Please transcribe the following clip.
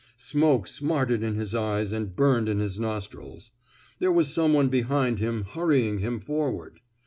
Smoke smarted in his eyes and burned in his nostrils. There was some one behind him hurrying him forward.